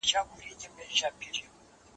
یو يې زوی وو په کهاله کي نازولی